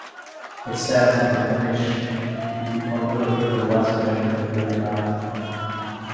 It stands on the corniche, overlooking the west bank of the River Nile.